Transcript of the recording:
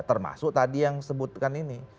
termasuk tadi yang disebutkan ini